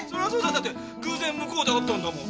だって偶然向こうで会ったんだもん。